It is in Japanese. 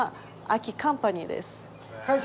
アキカンパニーです。